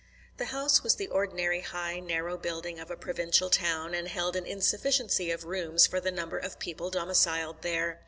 The house was the ordinary high, narrow building of a provincial town, and held an insufficiency of rooms for the number of people domiciled there.